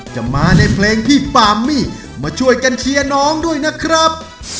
จะมาในเพลงพี่ปามี่มาช่วยกันเชียร์น้องด้วยนะครับ